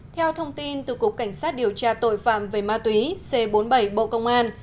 theo thông tin từ cục cảnh sát điều tra tội phạm về ma túy c bốn mươi bảy bộ công an